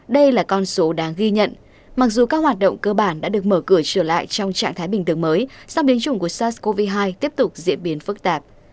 đây là con số đáng ghi nhận mặc dù các hoạt động cơ bản đã được mở cửa trở lại trong trạng thái bình thường mới song biến chủng của sars cov hai tiếp tục diễn biến phức tạp